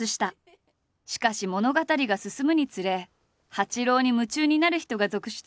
しかし物語が進むにつれ八郎に夢中になる人が続出。